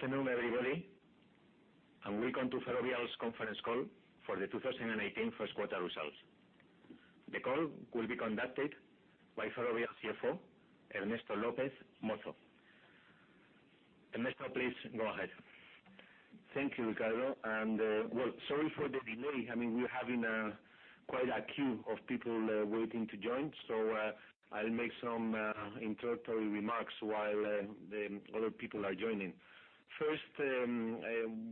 Good afternoon, everybody, and welcome to Ferrovial's conference call for the 2018 first quarter results. The call will be conducted by Ferrovial CFO, Ernesto López Mozo. Ernesto, please go ahead. Thank you, Ricardo. Well, sorry for the delay. We're having quite a queue of people waiting to join. I'll make some introductory remarks while the other people are joining. First,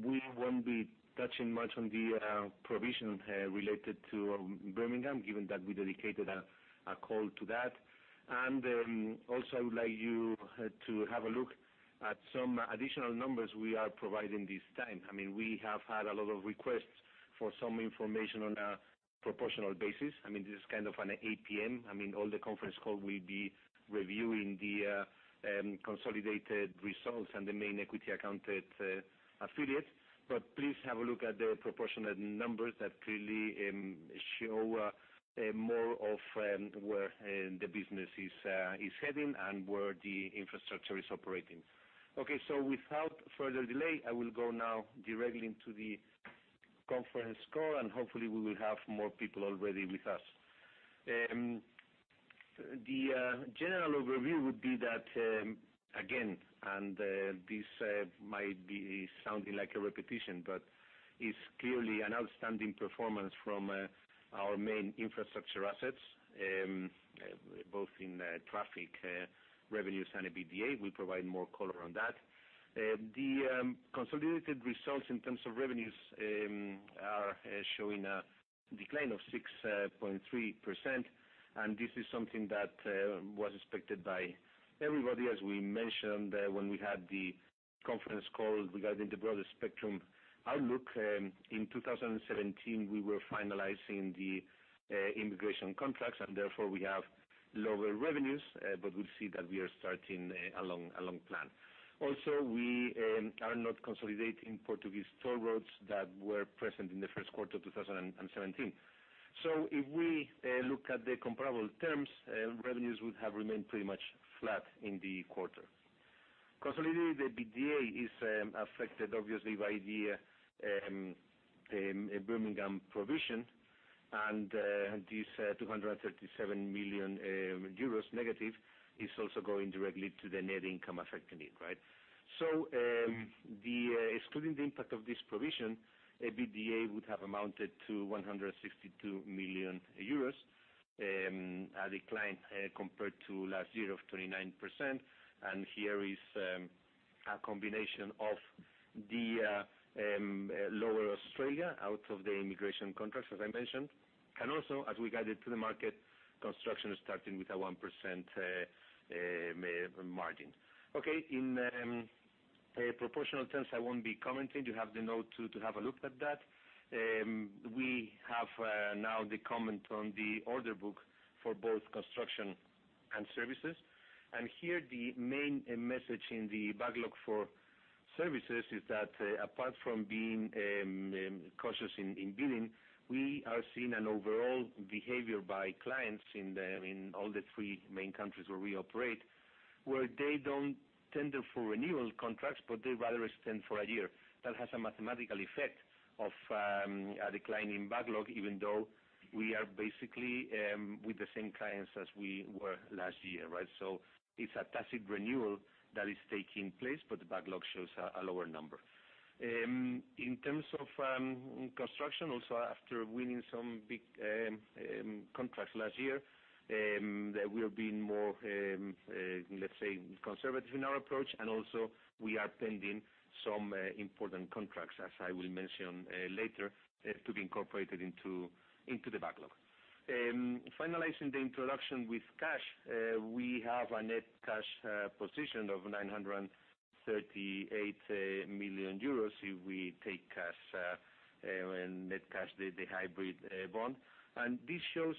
we won't be touching much on the provision related to Birmingham, given that we dedicated a call to that. Also, I would like you to have a look at some additional numbers we are providing this time. We have had a lot of requests for some information on a proportional basis. This is kind of an APM. All the conference call will be reviewing the consolidated results and the main equity accounted affiliates. Please have a look at the proportionate numbers that clearly show more of where the business is heading and where the infrastructure is operating. Okay. Without further delay, I will go now directly into the conference call, hopefully we will have more people already with us. The general overview would be that, again, this might be sounding like a repetition, it's clearly an outstanding performance from our main infrastructure assets, both in traffic revenues and EBITDA. We provide more color on that. The consolidated results in terms of revenues are showing a decline of 6.3%, this is something that was expected by everybody, as we mentioned, when we had the conference call regarding the broader spectrum outlook. In 2017, we were finalizing the immigration contracts, therefore we have lower revenues. We'll see that we are starting a long plan. Also, we are not consolidating Portuguese toll roads that were present in the first quarter of 2017. If we look at the comparable terms, revenues would have remained pretty much flat in the quarter. Consolidated EBITDA is affected, obviously, by the Birmingham provision, this 237 million euros negative is also going directly to the net income affecting it. Excluding the impact of this provision, EBITDA would have amounted to 162 million euros, a decline compared to last year of 39%. Here is a combination of the lower Australia out of the immigration contracts, as I mentioned. Also, as we guided to the market, construction starting with a 1% margin. Okay. In proportional terms, I won't be commenting. You have the note to have a look at that. We have now the comment on the order book for both construction and services. Here the main message in the backlog for services is that apart from being cautious in bidding, we are seeing an overall behavior by clients in all the three main countries where we operate, where they don't tender for renewal contracts, but they rather extend for a year. That has a mathematical effect of a decline in backlog, even though we are basically with the same clients as we were last year. It's a tacit renewal that is taking place, but the backlog shows a lower number. In terms of construction, also after winning some big contracts last year, we have been more, let's say, conservative in our approach. Also we are pending some important contracts, as I will mention later, to be incorporated into the backlog. Finalizing the introduction with cash. We have a net cash position of 938 million euros if we take cash and net cash, the hybrid bond. This shows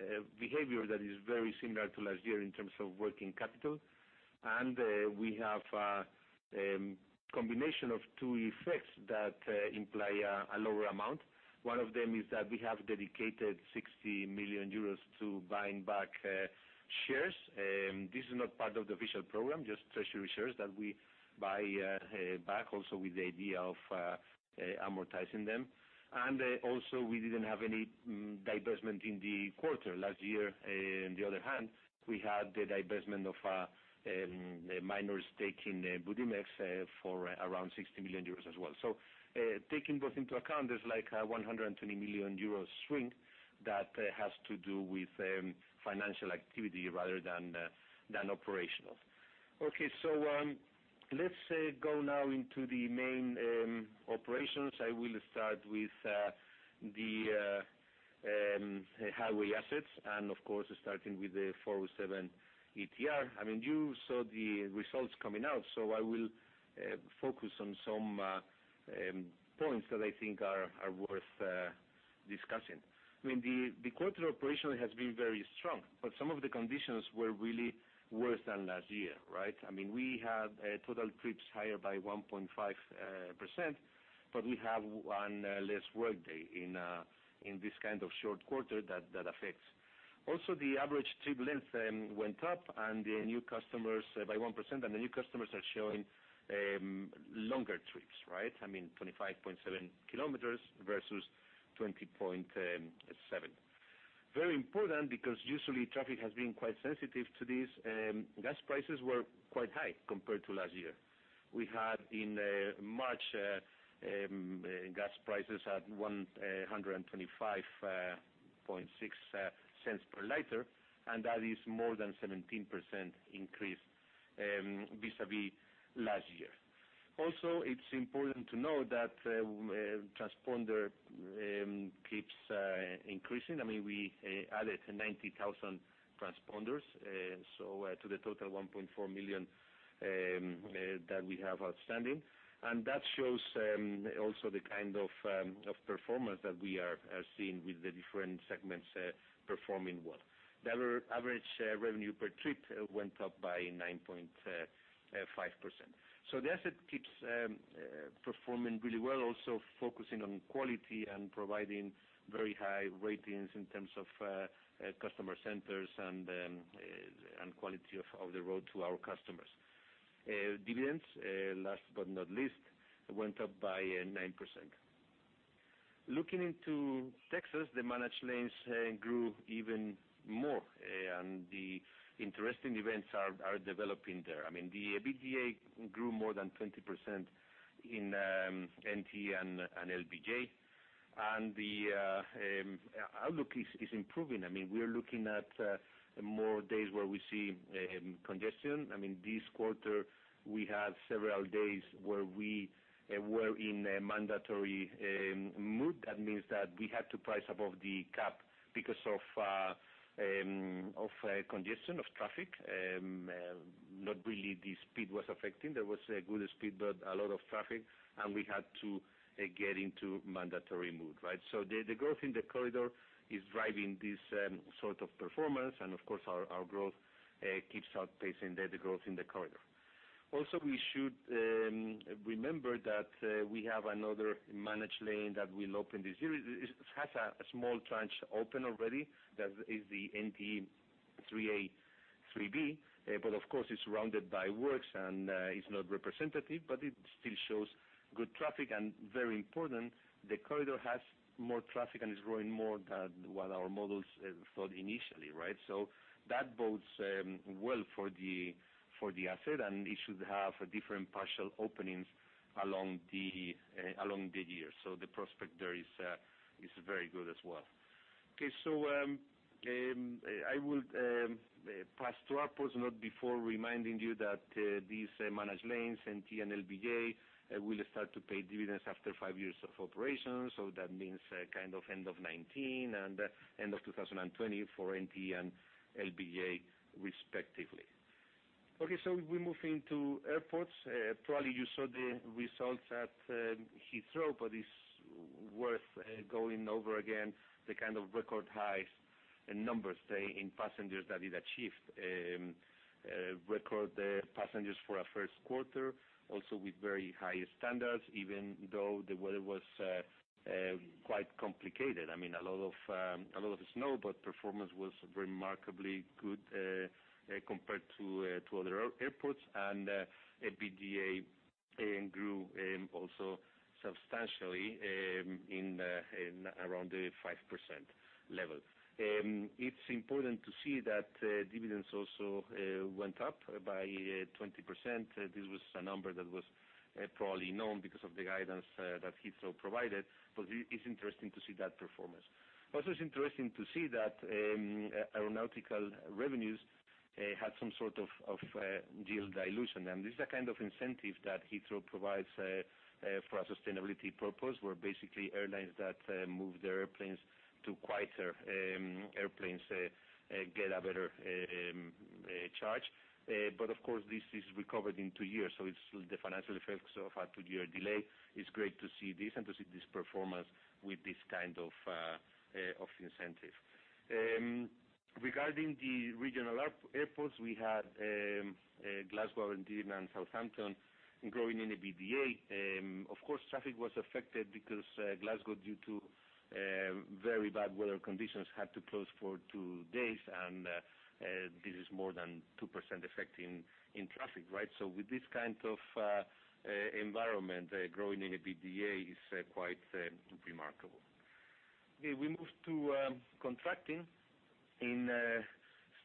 a behavior that is very similar to last year in terms of working capital. We have a combination of two effects that imply a lower amount. One of them is that we have dedicated 60 million euros to buying back shares. This is not part of the official program, just treasury shares that we buy back also with the idea of amortizing them. Also we didn't have any divestment in the quarter. Last year, on the other hand, we had the divestment of a minor stake in Budimex for around 60 million euros as well. Taking both into account, there's like a 120 million euros swing that has to do with financial activity rather than operational. Okay. Let's go now into the main operations. I will start with the highway assets and of course, starting with the 407 ETR. You saw the results coming out. I will focus on some points that I think are worth discussing. The quarter operation has been very strong, but some of the conditions were really worse than last year. We had total trips higher by 1.5%, but we have one less work day in this kind of short quarter that affects Also, the average trip length went up by 1%, and the new customers are showing longer trips, right? I mean, 25.7 km versus 20.7 km. Very important, because usually traffic has been quite sensitive to this. Gas prices were quite high compared to last year. We had, in March, gas prices at 1.256 per liter, and that is more than 17% increase vis-a-vis last year. Also, it's important to know that transponder keeps increasing. We added 90,000 transponders to the total 1.4 million that we have outstanding. That shows also the kind of performance that we are seeing with the different segments performing well. The average revenue per trip went up by 9.5%. The asset keeps performing really well, also focusing on quality and providing very high ratings in terms of customer centers and quality of the road to our customers. Dividends, last but not least, went up by 9%. Looking into Texas, the managed lanes grew even more, and the interesting events are developing there. I mean, the EBITDA grew more than 20% in NT and LBJ, and the outlook is improving. We are looking at more days where we see congestion. This quarter, we had several days where we were in mandatory mode. That means that we had to price above the cap because of congestion of traffic. Not really the speed was affecting. There was a good speed, but a lot of traffic, and we had to get into mandatory mode, right? The growth in the corridor is driving this sort of performance, and of course, our growth keeps outpacing the growth in the corridor. Also, we should remember that we have another managed lane that will open this year. It has a small trench open already. That is the NTE 3A, 3B. Of course, it's surrounded by works and it's not representative, but it still shows good traffic. Very important, the corridor has more traffic and is growing more than what our models thought initially, right? That bodes well for the asset, and it should have different partial openings along the year. The prospect there is very good as well. Okay. I will pass to airports, not before reminding you that these managed lanes, NTE and LBJ, will start to pay dividends after 5 years of operation. That means end of 2019 and end of 2020 for NTE and LBJ respectively. Okay. We move into airports. Probably you saw the results at Heathrow, but it's worth going over again the kind of record highs and numbers in passengers that it achieved. Record passengers for a first quarter, also with very high standards, even though the weather was quite complicated. I mean, a lot of snow, but performance was remarkably good compared to other airports. EBITDA grew also substantially in around the 5% level. It's important to see that dividends also went up by 20%. This was a number that was probably known because of the guidance that Heathrow provided, but it's interesting to see that performance. Also, it's interesting to see that aeronautical revenues had some sort of deal dilution. This is a kind of incentive that Heathrow provides for a sustainability purpose, where basically airlines that move their airplanes to quieter airplanes get a better charge. Of course, this is recovered in 2 years, so it's the financial effects of a 2-year delay. It's great to see this and to see this performance with this kind of incentive. Regarding the regional airports, we had Glasgow, Aberdeen, and Southampton growing in EBITDA. Of course, traffic was affected because Glasgow, due to very bad weather conditions, had to close for 2 days, and this is more than 2% effect in traffic, right? With this kind of environment, growing in EBITDA is quite remarkable. Okay. We move to contracting.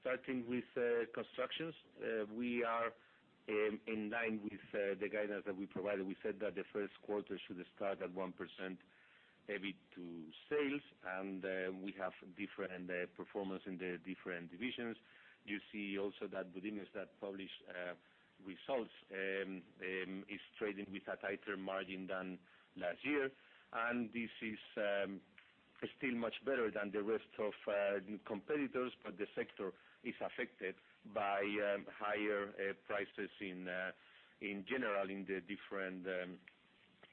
Starting with constructions. We are in line with the guidance that we provided. We said that the first quarter should start at 1% EBIT to sales, and we have different performance in the different divisions. You see also that Budimex that published results is trading with a tighter margin than last year, and this is still much better than the rest of competitors. The sector is affected by higher prices in general in the different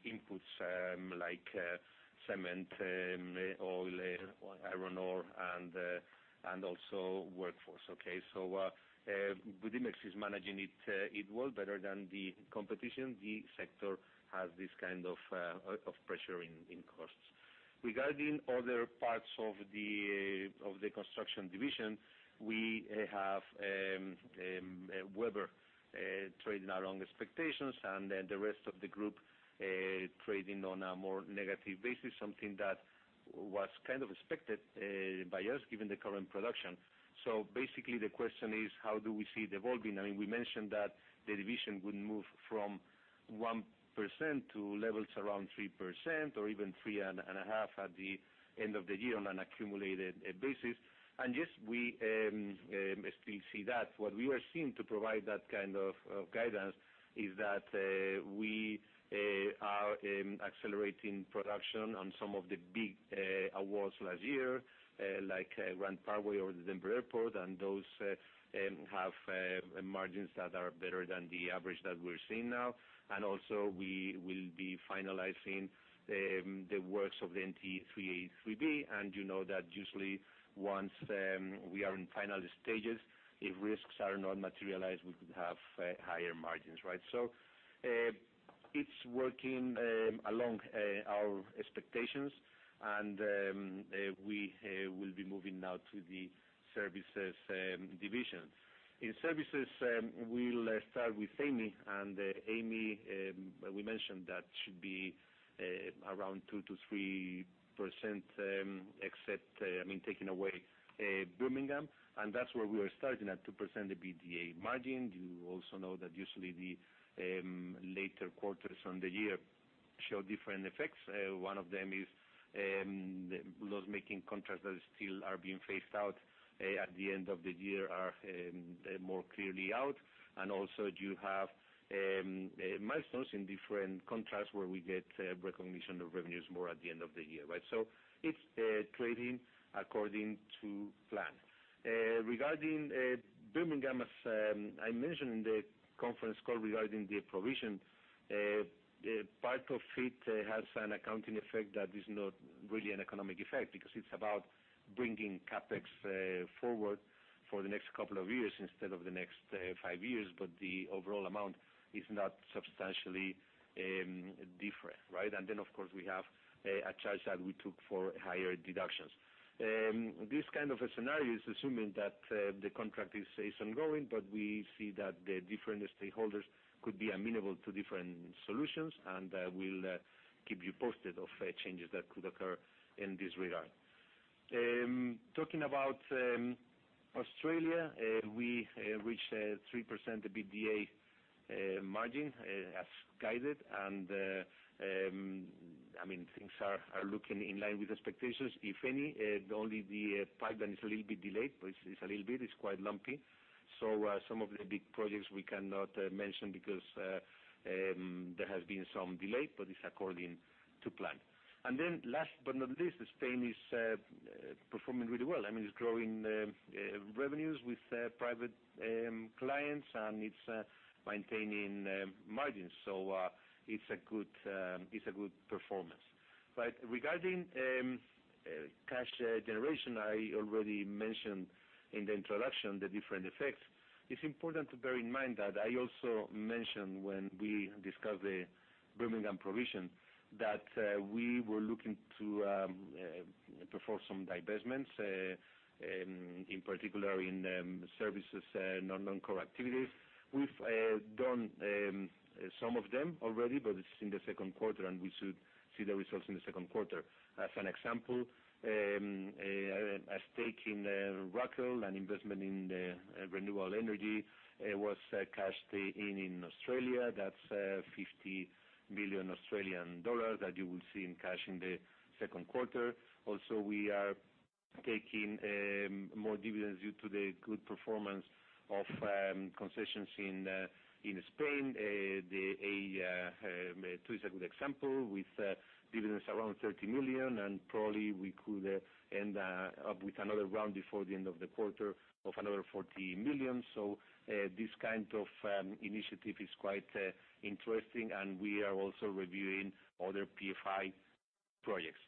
inputs like cement, oil, iron ore, and also workforce. Okay. Budimex is managing it well, better than the competition. The sector has this kind of pressure in cost. Regarding other parts of the construction division, we have Webber trading along expectations and then the rest of the group trading on a more negative basis, something that was kind of expected by us given the current production. Basically, the question is, how do we see it evolving? We mentioned that the division would move from 1% to levels around 3% or even 3.5% at the end of the year on an accumulated basis. Yes, we still see that. What we are seeing to provide that kind of guidance is that we are accelerating production on some of the big awards last year, like Grand Parkway or the Denver Airport, and those have margins that are better than the average that we're seeing now. Also, we will be finalizing the works of the NTE 3A/3B, and you know that usually once we are in final stages, if risks are not materialized, we could have higher margins, right? It's working along our expectations, and we will be moving now to the services division. In services, we'll start with Amey. Amey, we mentioned that should be around 2%-3% except, taking away Birmingham. That's where we were starting at 2% EBITDA margin. You also know that usually the later quarters on the year show different effects. One of them is loss-making contracts that still are being phased out at the end of the year are more clearly out. Also, you have milestones in different contracts where we get recognition of revenues more at the end of the year, right? It's trading according to plan. Regarding Birmingham, as I mentioned in the conference call regarding the provision, part of it has an accounting effect that is not really an economic effect because it's about bringing CapEx forward for the next couple of years instead of the next five years. The overall amount is not substantially different, right? Of course, we have a charge that we took for higher deductions. This kind of a scenario is assuming that the contract is ongoing, we see that the different stakeholders could be amenable to different solutions, and we'll keep you posted of changes that could occur in this regard. Talking about Australia, we reached 3% EBITDA margin as guided, things are looking in line with expectations. If any, only the pipeline is a little bit delayed, but it's a little bit. It's quite lumpy. Some of the big projects we cannot mention because there has been some delay, but it's according to plan. Last but not least, Spain is performing really well. It's growing revenues with private clients, it's maintaining margins. It's a good performance. Regarding cash generation, I already mentioned in the introduction the different effects. It's important to bear in mind that I also mentioned when we discussed the Birmingham provision that we were looking to perform some divestments, in particular in services, non-core activities. We've done some of them already, it's in the second quarter, we should see the results in the second quarter. As an example, a stake in Rakel, an investment in renewable energy, was cashed in in Australia. That's 50 million Australian dollars that you will see in cash in the second quarter. Also, we are taking more dividends due to the good performance of concessions in Spain. A-IIA is a good example, with dividends around 30 million, probably we could end up with another round before the end of the quarter of another 40 million. This kind of initiative is quite interesting, we are also reviewing other PFI projects.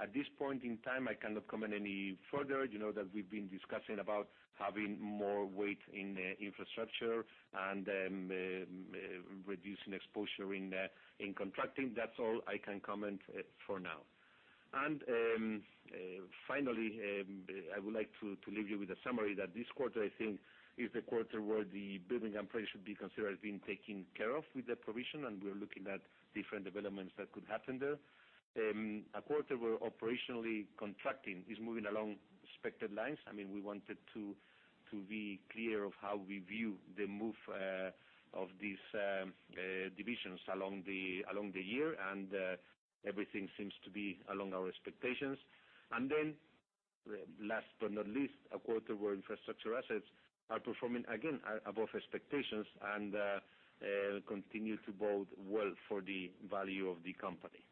At this point in time, I cannot comment any further. You know that we've been discussing about having more weight in infrastructure and reducing exposure in contracting. That is all I can comment for now. Finally, I would like to leave you with a summary that this quarter, I think, is the quarter where the building and trade should be considered being taken care of with the provision, and we are looking at different developments that could happen there. A quarter where operationally contracting is moving along expected lines. We wanted to be clear of how we view the move of these divisions along the year, and everything seems to be along our expectations. Last but not least, a quarter where infrastructure assets are performing again above expectations and continue to bode well for the value of the company.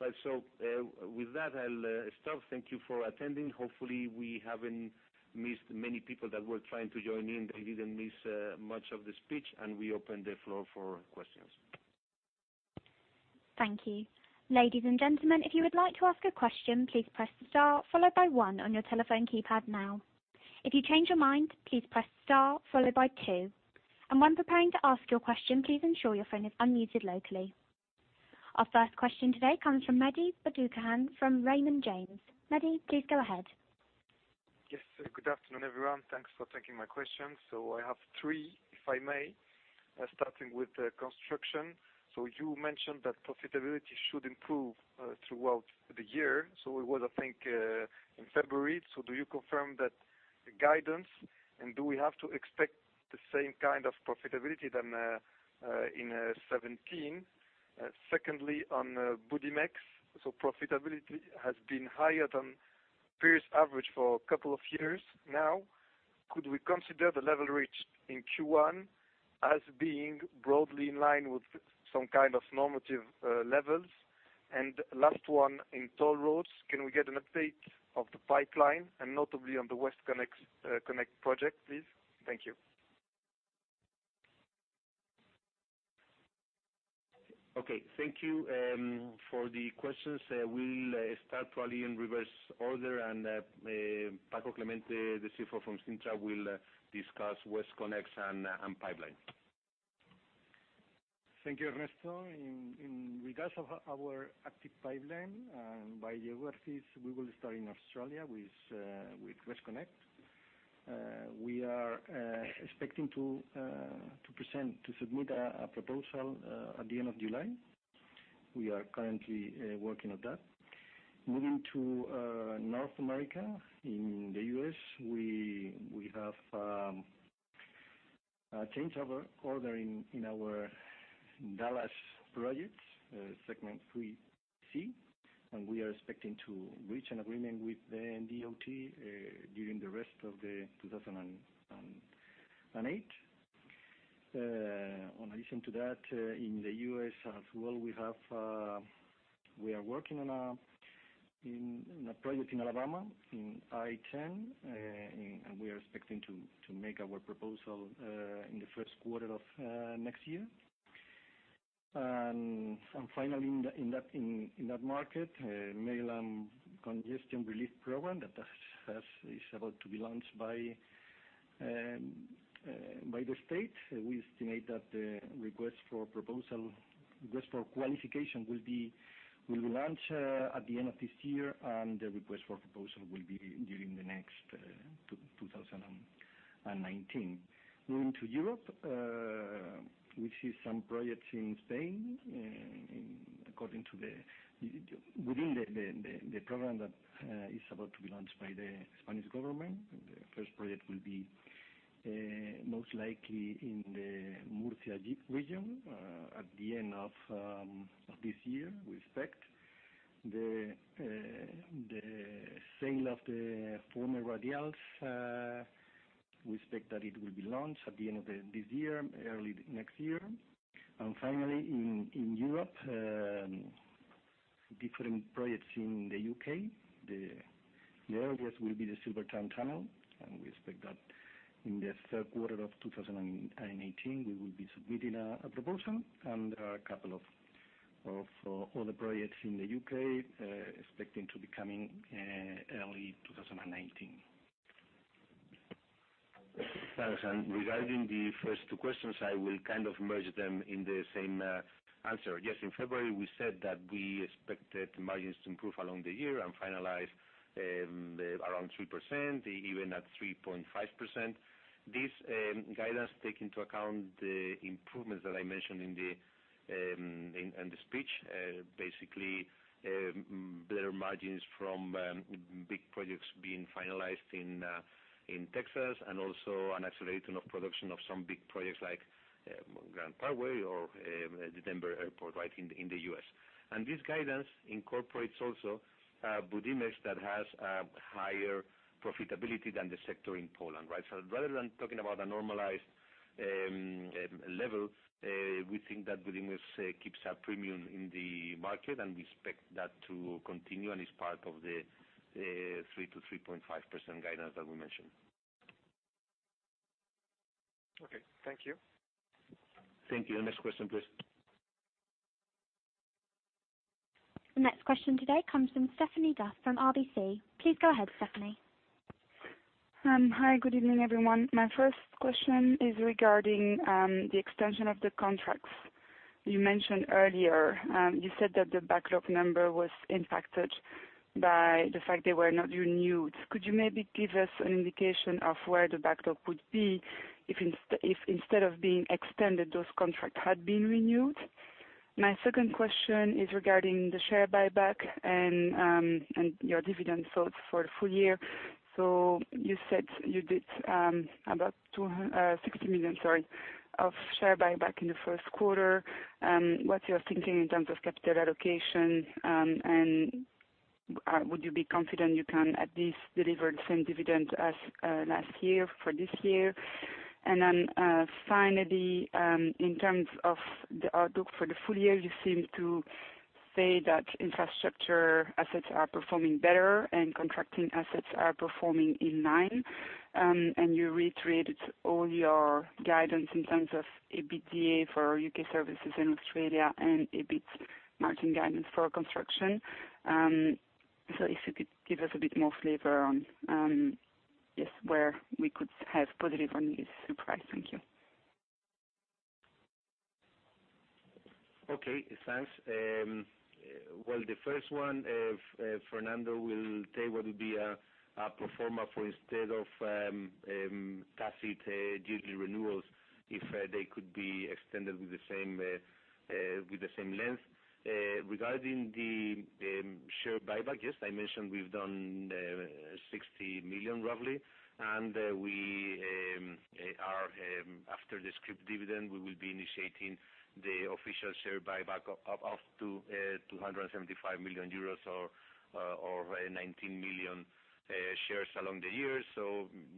With that, I will stop. Thank you for attending. Hopefully, we haven't missed many people that were trying to join in. They did not miss much of the speech, and we open the floor for questions. Thank you. Ladies and gentlemen, if you would like to ask a question, please press star followed by one on your telephone keypad now. If you change your mind, please press star followed by two. When preparing to ask your question, please ensure your phone is unmuted locally. Our first question today comes from Mehdi Fadoukhah from Raymond James. Mehdi, please go ahead. Yes. Good afternoon, everyone. Thanks for taking my questions. I have three, if I may, starting with the construction. You mentioned that profitability should improve throughout the year. It was, I think, in February. Do you confirm that guidance, and do we have to expect the same kind of profitability than in 2017? Secondly, on Budimex. Profitability has been higher than previous average for a couple of years now. Could we consider the level reached in Q1 as being broadly in line with some kind of normative levels? Last one, in toll roads, can we get an update of the pipeline, and notably on the WestConnex project, please? Thank you. Okay, thank you for the questions. We'll start probably in reverse order. Francisco Clemente, the CFO from Cintra, will discuss WestConnex and pipeline. Thank you, Ernesto. In regards of our active pipeline, by geographic, we will start in Australia with WestConnex. We are expecting to submit a proposal at the end of July. We are currently working on that. Moving to North America, in the U.S., we have a change of order in our Dallas projects, segment 3C. We are expecting to reach an agreement with the TxDOT during the rest of 2018. In addition to that, in the U.S. as well, we are working on a project in Alabama, in I-10. We are expecting to make our proposal in the first quarter of next year. Finally, in that market, Maryland Congestion Relief Program, that is about to be launched by the state. We estimate that the request for qualification will launch at the end of this year. The request for proposal will be during the next 2019. Moving to Europe, we see some projects in Spain according to within the program that is about to be launched by the Spanish government. The first project will be most likely in the Murcia region, at the end of this year, we expect. The sale of the former Radials, we expect that it will be launched at the end of this year, early next year. Finally, in Europe, different projects in the U.K. The earliest will be the Silvertown Tunnel. We expect that in the third quarter of 2018, we will be submitting a proposal. There are a couple of other projects in the U.K., expecting to be coming early 2019. Thanks. Regarding the first two questions, I will kind of merge them in the same answer. Yes, in February, we said that we expected margins to improve along the year and finalize around 3%, even at 3.5%. This guidance take into account the improvements that I mentioned in the speech. Basically, better margins from big projects being finalized in Texas and also an accelerating of production of some big projects like Grand Parkway or the Denver Airport in the U.S. This guidance incorporates also Budimex that has a higher profitability than the sector in Poland. Rather than talking about a normalized level, we think that Budimex keeps a premium in the market. We expect that to continue, and it's part of the 3%-3.5% guidance that we mentioned. Okay. Thank you. Thank you. Next question, please. The next question today comes from Stephanie D'Elfassy from RBC. Please go ahead, Stephanie. Hi. Good evening, everyone. My first question is regarding the extension of the contracts. You mentioned earlier, you said that the backlog number was impacted by the fact they were not renewed. Could you maybe give us an indication of where the backlog would be if instead of being extended, those contracts had been renewed? My second question is regarding the share buyback and your dividend thoughts for the full year. You said you did about 60 million of share buyback in the first quarter. What's your thinking in terms of capital allocation, and would you be confident you can at least deliver the same dividend as last year for this year? Finally, in terms of the outlook for the full year, you seem to say that infrastructure assets are performing better and contracting assets are performing in line. You reiterated all your guidance in terms of EBITDA for U.K. services in Australia and EBIT margin guidance for construction. If you could give us a bit more flavor on where we could have positive news surprise. Thank you. Okay. Thanks. The first one, Fernando will tell what will be a pro forma for instead of CASIT yearly renewals, if they could be extended with the same length. Regarding the share buyback, yes, I mentioned we've done 60 million roughly, and after the scrip dividend, we will be initiating the official share buyback of up to €275 million or 19 million shares along the year.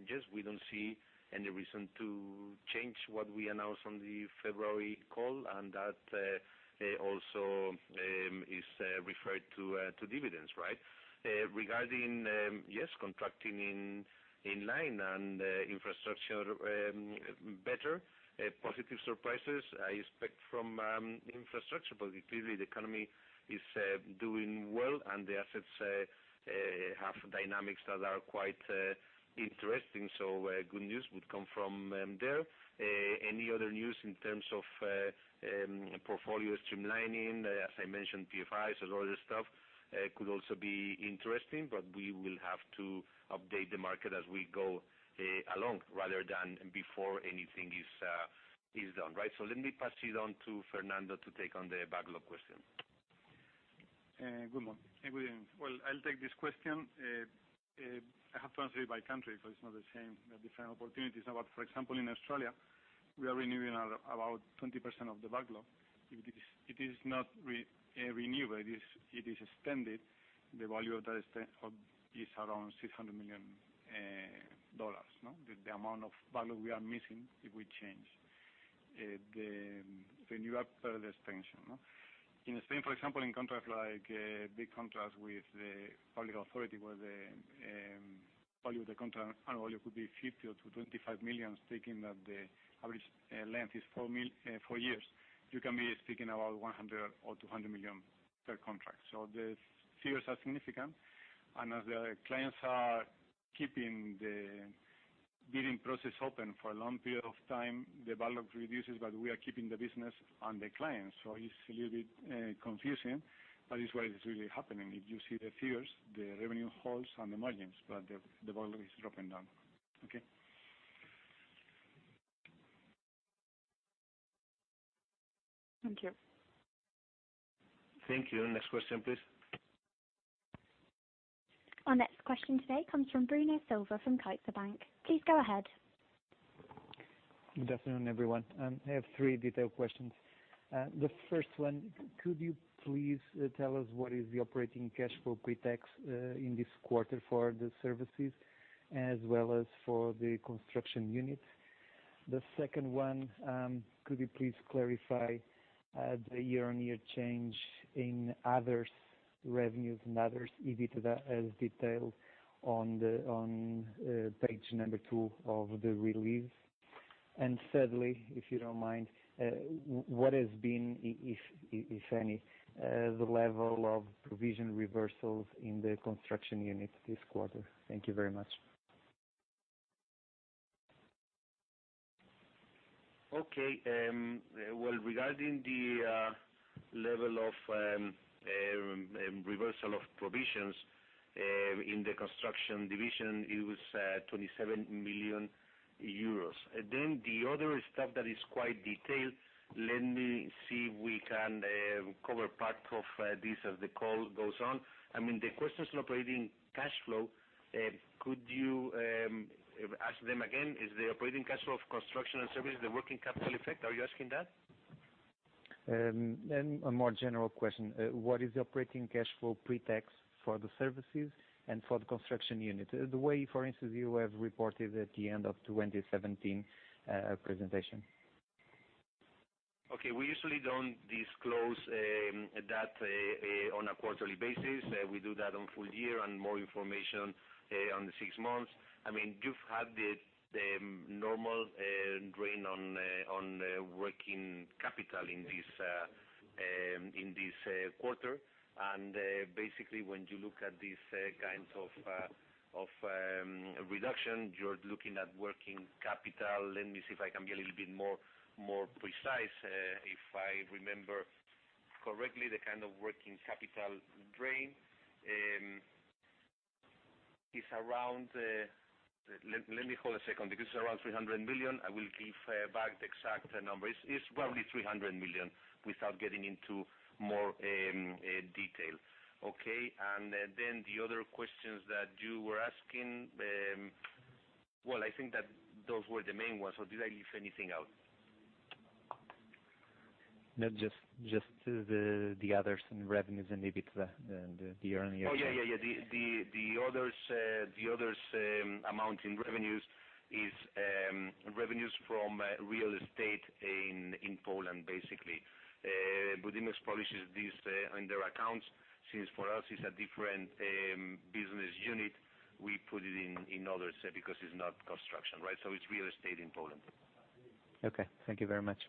Just we don't see any reason to change what we announced on the February call, and that also is referred to dividends, right? Regarding contracting in line and infrastructure better, positive surprises I expect from infrastructure. If really the economy is doing well and the assets have dynamics that are quite interesting, good news would come from there. Any other news in terms of portfolio streamlining, as I mentioned, PFIs and all this stuff could also be interesting, we will have to update the market as we go along rather than before anything is done, right? Let me pass it on to Fernando to take on the backlog question. Good morning. I'll take this question. I have to answer it by country, because it's not the same. We have different opportunities. For example, in Australia, we are renewing about 20% of the backlog. It is not renewed. It is extended. The value of that is around 600 million dollars. The amount of value we are missing if we change the new 30 extension. In Spain, for example, in big contracts with the public authority, where the value of the contract annually could be 50 million or 25 million, thinking that the average length is four years, you can be speaking about 100 million or 200 million per contract. The figures are significant. As the clients are keeping the bidding process open for a long period of time, the backlog reduces. We are keeping the business and the clients. It's a little bit confusing, but it's what is really happening. If you see the figures, the revenue holds and the margins, but the volume is dropping down. Okay. Thank you. Thank you. Next question, please. Our next question today comes from Bruno Silva from CaixaBank. Please go ahead. Good afternoon, everyone. I have three detailed questions. The first one, could you please tell us what is the operating cash flow pre-tax in this quarter for the services as well as for the construction unit? The second one, could you please clarify the year-on-year change in others revenues and others EBITDA as detailed on page number two of the release? Thirdly, if you don't mind, what has been, if any, the level of provision reversals in the construction unit this quarter? Thank you very much. Okay. Well, regarding the level of reversal of provisions in the construction division, it was 27 million euros. The other stuff that is quite detailed, let me see if we can cover part of this as the call goes on. The questions on operating cash flow, could you ask them again? Is the operating cash flow of construction and services the working capital effect? Are you asking that? A more general question. What is the operating cash flow pre-tax for the services and for the construction unit? The way, for instance, you have reported at the end of 2017 presentation. Okay. We usually don't disclose that on a quarterly basis. We do that on full year and more information on the six months. You've had the normal drain on working capital in this quarter. Basically when you look at these kinds of reduction, you're looking at working capital. Let me see if I can be a little bit more precise. If I remember correctly, the kind of working capital drain is around. Let me hold a second. It's around 300 million, I will give back the exact number. It's roughly 300 million without getting into more detail. Okay. The other questions that you were asking. Well, I think that those were the main ones. Did I leave anything out? Just the others in revenues and EBITDA, the year-on-year. Yeah. The others amount in revenues is revenues from real estate in Poland, basically. Budimex publishes this in their accounts. Since for us it's a different business unit, we put it in others because it's not construction, right? It's real estate in Poland. Thank you very much.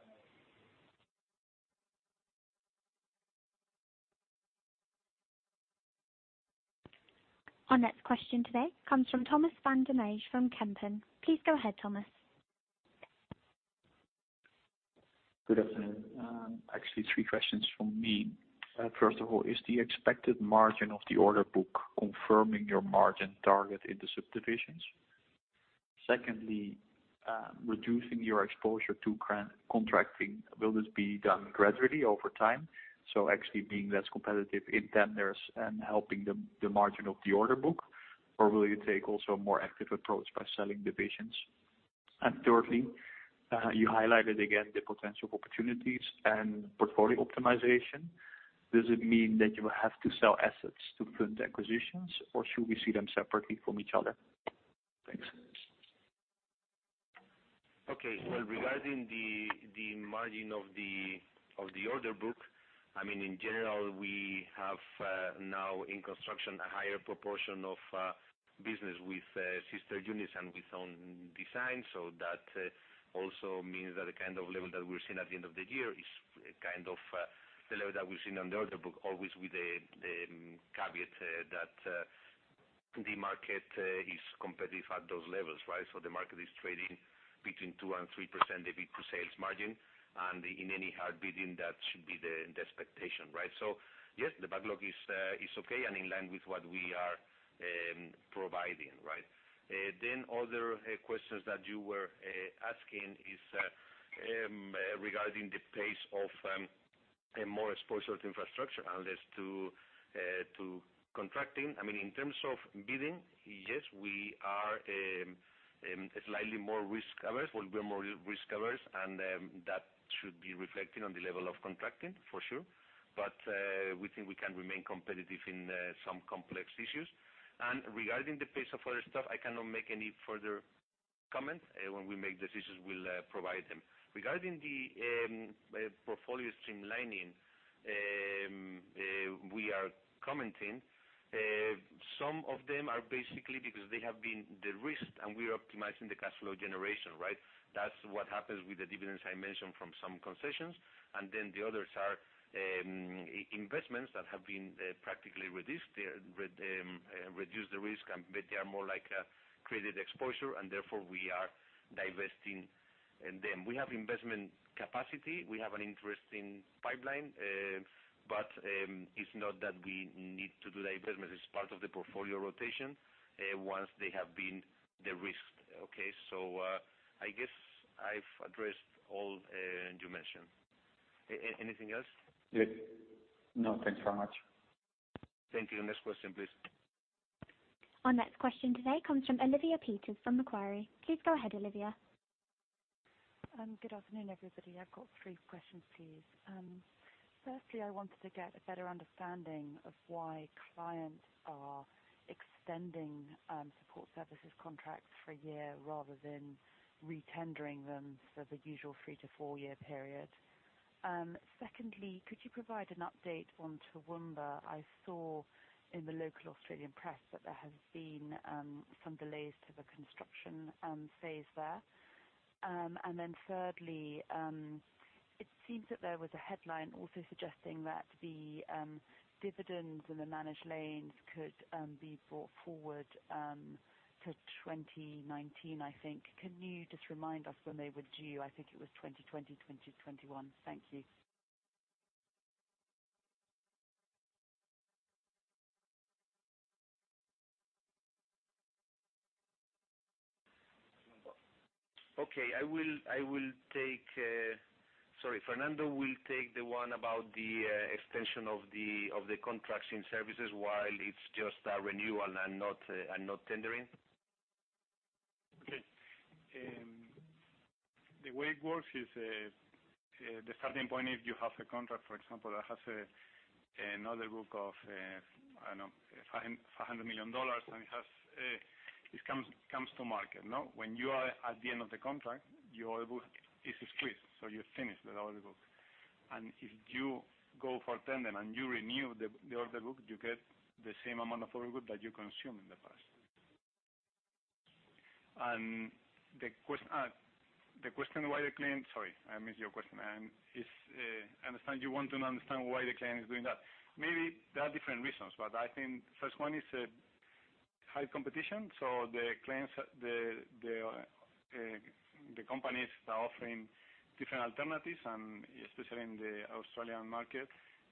Our next question today comes from Thomas van den Bij from Kempen. Please go ahead, Thomas. Good afternoon. Actually, three questions from me. First of all, is the expected margin of the order book confirming your margin target in the subdivisions? Secondly, reducing your exposure to contracting, will this be done gradually over time, so actually being less competitive in tenders and helping the margin of the order book, or will you take also a more active approach by selling divisions? Thirdly, you highlighted again the potential opportunities and portfolio optimization. Does it mean that you have to sell assets to fund acquisitions, or should we see them separately from each other? Thanks. Okay. Well, regarding the margin of the order book, in general, we have now in construction a higher proportion of business with sister units and with own design. That also means that the kind of level that we're seeing at the end of the year is kind of the level that we've seen on the order book, always with the caveat that the market is competitive at those levels. The market is trading between 2% and 3% EBIT to sales margin, and in any hard bidding, that should be the expectation, right? Yes, the backlog is okay, and in line with what we are providing. Other questions that you were asking is regarding the pace of more exposure to infrastructure and less to contracting. In terms of bidding, yes, we are slightly more risk-averse. We'll be more risk-averse, and that should be reflected on the level of contracting, for sure. We think we can remain competitive in some complex issues. Regarding the pace of other stuff, I cannot make any further comments. When we make decisions, we'll provide them. Regarding the portfolio streamlining, we are commenting. Some of them are basically because they have been de-risked, and we are optimizing the cash flow generation, right? That's what happens with the dividends I mentioned from some concessions. The others are investments that have been practically reduced the risk, but they are more like a credit exposure, and therefore, we are divesting them. We have investment capacity. We have an interesting pipeline. It's not that we need to do the investment. It's part of the portfolio rotation once they have been de-risked, okay? I guess I've addressed all you mentioned. Anything else? Yes. No, thanks very much. Thank you. Next question, please. Our next question today comes from Olivia Peters from Macquarie. Please go ahead, Olivia. Good afternoon, everybody. I've got three questions, please. Firstly, I wanted to get a better understanding of why clients are extending support services contracts for a year rather than re-tendering them for the usual three- to four-year period. Secondly, could you provide an update on Toowoomba? I saw in the local Australian press that there have been some delays to the construction phase there. Thirdly, it seems that there was a headline also suggesting that the dividends in the managed lanes could be brought forward to 2019, I think. Can you just remind us when they were due? I think it was 2020, 2021. Thank you. Fernando will take the one about the extension of the contracting services, why it's just a renewal and not tendering. Okay. The way it works is, the starting point, if you have a contract, for example, that has another book of, I don't know, EUR 500 million, it comes to market. When you are at the end of the contract, your order book is squeezed, you finish the order book. If you go for tender and you renew the order book, you get the same amount of order book that you consume in the past. I missed your question. I understand you want to understand why the client is doing that. Maybe there are different reasons, but I think first one is high competition. The companies are offering different alternatives, especially in the Australian market,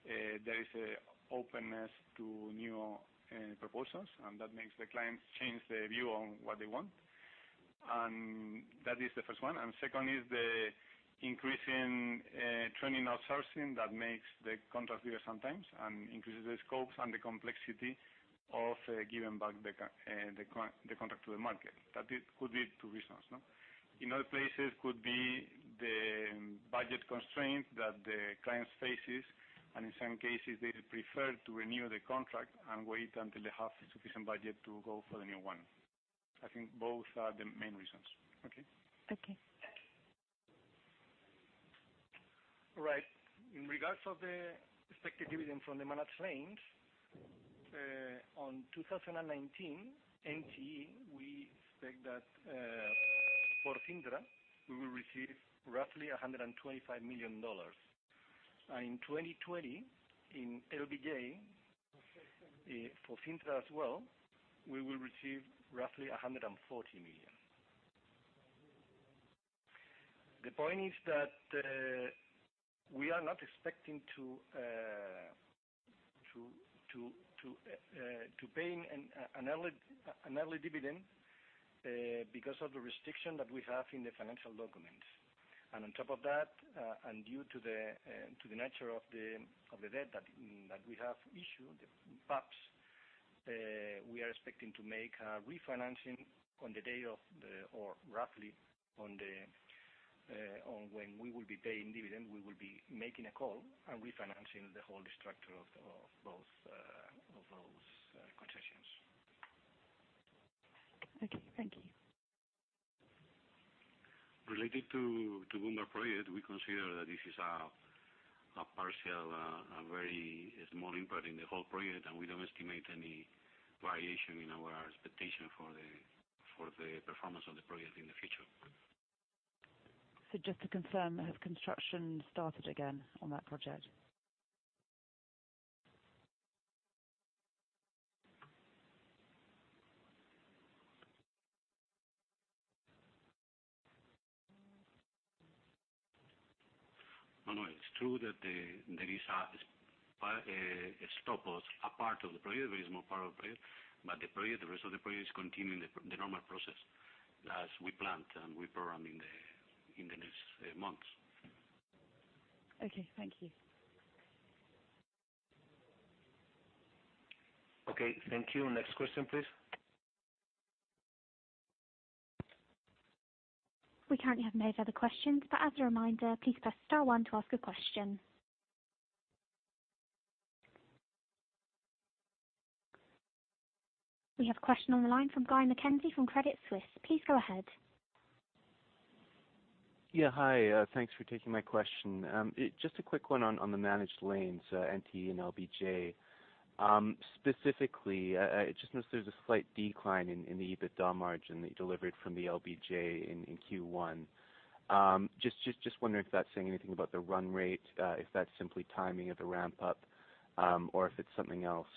there is an openness to new proposals, that makes the clients change their view on what they want. That is the first one. Second is the increase in trending outsourcing that makes the contract bigger sometimes and increases the scopes and the complexity of giving back the contract to the market. That could be two reasons. In other places, could be the budget constraint that the client faces, in some cases, they prefer to renew the contract and wait until they have sufficient budget to go for the new one. I think both are the main reasons. Okay? Okay. Right. In regards of the expected dividend from the managed lanes, on 2019, NTE, we expect that. For Cintra, we will receive roughly $125 million. In 2020, in LBJ, for Cintra as well, we will receive roughly $140 million. The point is that we are not expecting to pay an early dividend because of the restriction that we have in the financial documents. On top of that, and due to the nature of the debt that we have issued, the PABs, we are expecting to make a refinancing on the day, or roughly on when we will be paying dividend, we will be making a call and refinancing the whole structure of those concessions. Okay. Thank you. Related to Toowoomba project, we consider that this is a partial, a very small input in the whole project, and we don't estimate any variation in our expectation for the performance of the project in the future. Just to confirm, has construction started again on that project? No. It's true that there is a stop on a part of the project, a very small part of the project. The rest of the project is continuing the normal process, as we planned and we parameter in the next months. Okay. Thank you. Okay. Thank you. Next question, please. We currently have no further questions. As a reminder, please press star one to ask a question. We have a question on the line from Guy Mackenzie from Credit Suisse. Please go ahead. Hi. Thanks for taking my question. Just a quick one on the managed lanes, NTE and LBJ. Specifically, just noticed there's a slight decline in the EBITDA margin that you delivered from the LBJ in Q1. Just wondering if that's saying anything about the run rate, if that's simply timing of the ramp-up, or if it's something else.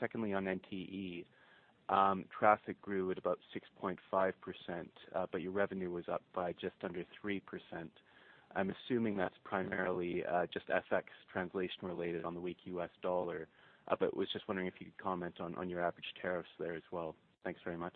Secondly, on NTE, traffic grew at about 6.5%, but your revenue was up by just under 3%. I'm assuming that's primarily just FX translation-related on the weak U.S. dollar. Was just wondering if you could comment on your average tariffs there as well. Thanks very much.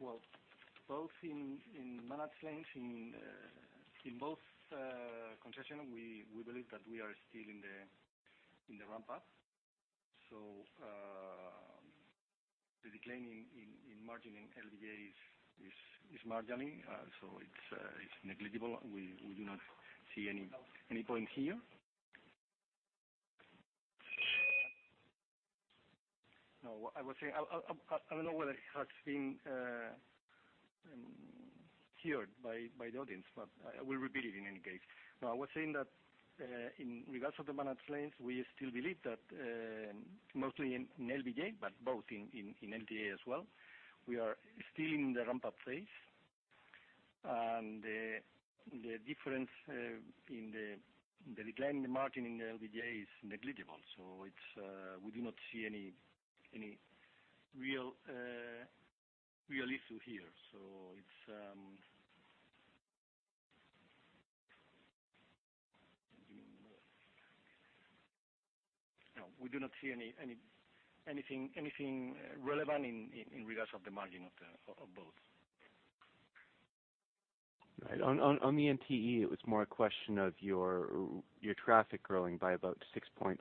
Well, both in managed lanes, in both concessions, we believe that we are still in the ramp-up. The decline in margin in LBJ is marginal, so it's negligible. We do not see any point here. No. I don't know whether it has been heard by the audience, but I will repeat it in any case. I was saying that in regards of the managed lanes, we still believe that mostly in LBJ, but both in NTE as well, we are still in the ramp-up phase. The difference in the decline in the margin in LBJ is negligible. We do not see any real issue here. No, we do not see anything relevant in regards of the margin of both. Right. On the NTE, it was more a question of your traffic growing by about 6.5%.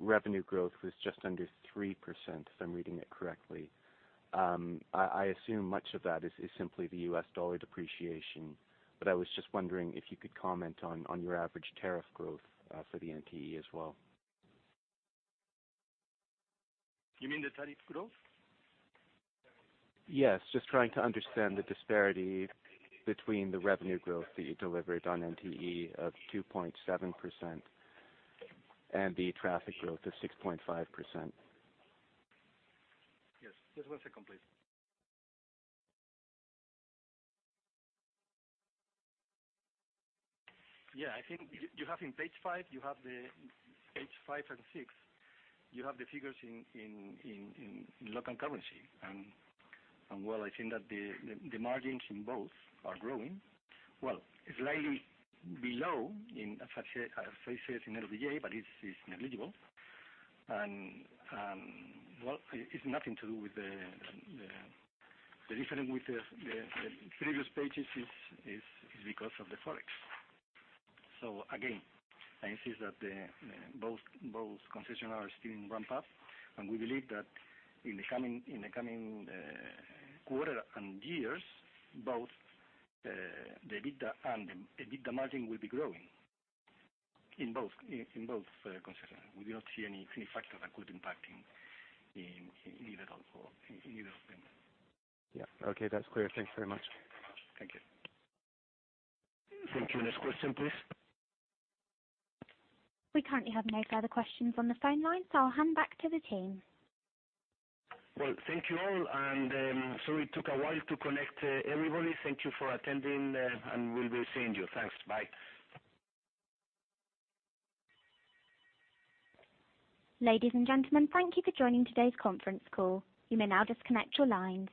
Revenue growth was just under 3%, if I'm reading it correctly. I assume much of that is simply the U.S. dollar depreciation. I was just wondering if you could comment on your average tariff growth for the NTE as well. You mean the tariff growth? Yes. Just trying to understand the disparity between the revenue growth that you delivered on NTE of 2.7% and the traffic growth of 6.5%. Yes. Just one second, please. Yeah, I think you have in page five and six, you have the figures in local currency. While I think that the margins in both are growing, well, slightly below in as such cases in LBJ, but it's negligible. Well, it's nothing to do with the The difference with the previous pages is because of the Forex. Again, I insist that both concessions are still in ramp-up, and we believe that in the coming quarter and years, both the EBITDA and the EBITDA margin will be growing in both concessions. We do not see any factor that could impact in either of them. Yeah. Okay. That's clear. Thank you very much. Thank you. Thank you. Next question, please. We currently have no further questions on the phone line, I'll hand back to the team. Well, thank you all. Sorry it took a while to connect everybody. Thank you for attending. We'll be seeing you. Thanks. Bye. Ladies and gentlemen, thank you for joining today's conference call. You may now disconnect your lines.